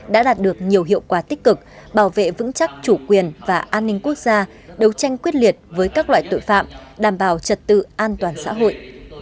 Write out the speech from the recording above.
đã đạt được nhiều hiệu quả tích cực bảo vệ vững chắc chủ quyền và an ninh quốc gia đấu tranh quyết liệt với các loại tội phạm đảm bảo trật tự an toàn xã hội